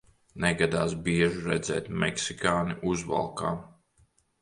Negadās bieži redzēt meksikāni uzvalkā.